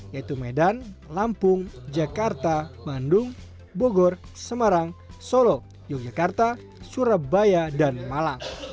yaitu medan lampung jakarta bandung bogor semarang solo yogyakarta surabaya dan malang